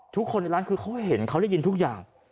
ทุกคนในร้านคือเขาเห็นเขาได้ยินทุกอย่าง